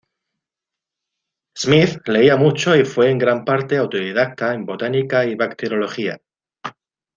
Smith leía mucho y fue en gran parte autodidacta en botánica y bacteriología.